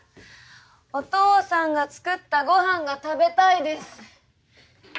お父さんが作ったご飯が食べたいです。